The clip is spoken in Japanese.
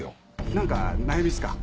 何か悩みっすか？